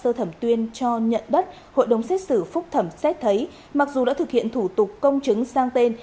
sơ thẩm tuyên cho nhận đất hội đồng xét xử phúc thẩm xét thấy mặc dù đã thực hiện thủ tục công chứng sang tên